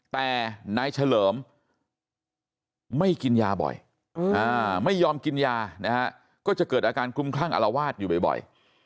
แต่นายเฉลิมไม่กินยาบ่อยไม่ยอมกินยานะฮะก็จะเกิดอาการคลุมคลั่งอารวาสอยู่บ่อย